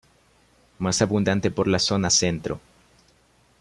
Más abundante por la zona centro.